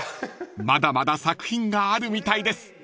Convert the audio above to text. ［まだまだ作品があるみたいです］